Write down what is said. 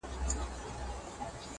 آفتونو پكښي كړي ځالګۍ دي٫